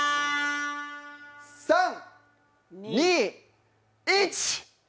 ３、２、１！